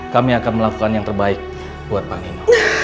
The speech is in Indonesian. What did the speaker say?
kami akan melakukan yang terbaik buat pak nino